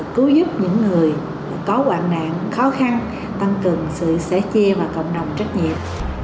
cứu giúp những người có quạng nạn khó khăn tăng cường sự sẻ chia và cộng đồng trách nhiệm